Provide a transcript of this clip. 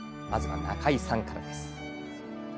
まず中井さんからです。